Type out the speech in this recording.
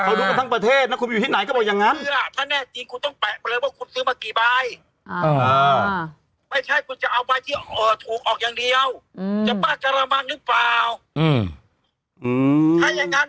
เขาดูกับทางประเทศนะกูมีแต่ไหนก็บอกอย่างนั้น